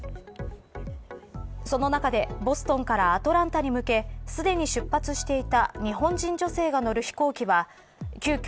その中でボストンからアトランタに向けすでに出発していた日本人女性が乗る飛行機は急きょ